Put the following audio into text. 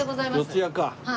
四谷か。